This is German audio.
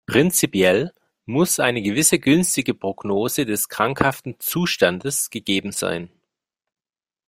Prinzipiell muss eine gewisse günstige Prognose des krankhaften Zustandes gegeben sein.